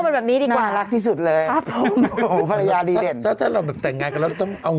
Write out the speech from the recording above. แบบแบบยังไงแบบเงิน